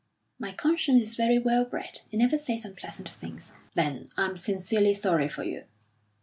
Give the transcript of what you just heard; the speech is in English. "My conscience is very well bred. It never says unpleasant things." "Then I'm sincerely sorry for you."